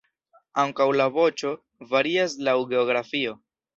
Ankaŭ la voĉo varias laŭ geografio.